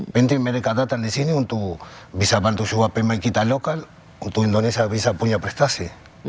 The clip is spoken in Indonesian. penting mereka datang di sini untuk bisa bantu suap pemain kita lokal untuk indonesia bisa punya prestasi